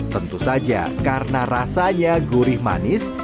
tentu saja karena rasanya gurih manis